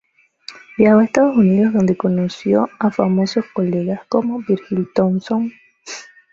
Viajó a Estados Unidos donde conoció a famosos colegas, como Virgil Thomson.